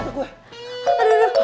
aduh mata gue